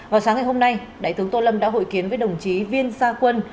vào sáng ngày hôm nay đại tướng tô lâm đã hội kiến với đồng chí viên gia quân